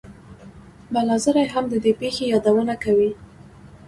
بلاذري هم د دې پېښې یادونه کوي.